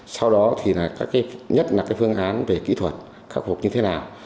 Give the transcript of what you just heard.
sau đó thì là các cái nhất là cái phương án về kỹ thuật khắc phục như thế nào